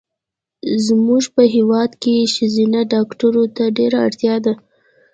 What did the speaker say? زمونږ په هېواد کې ښځېنه ډاکټرو ته ډېره اړتیا ده